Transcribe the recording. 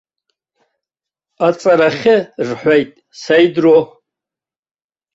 Аҵарахьы, рҳәеит, сеидроу.